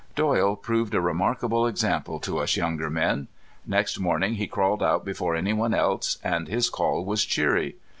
Doyle proved a remarkable example to us younger men. Next morning he crawled out before any one else, and his call was cheery.